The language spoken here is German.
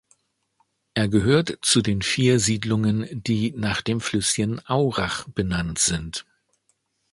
Er gehört zu den vier Siedlungen, die nach dem Flüsschen Aurach benannt sind.